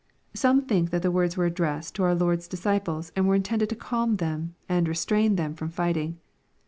Some think that the words were addressed to our Lord's disciples, and were intended to calm them, and restrain them from fighting.